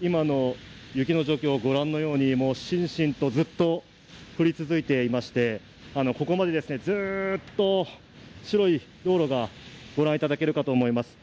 今の雪の状況、もうしんしんとずっと降り続いていまして、ここまで、ずーっと白い道路が御覧いただけるかと思います。